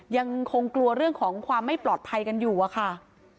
ยังคงกลัวเรื่องของความไม่ปลอดภัยกันอยู่อะค่ะ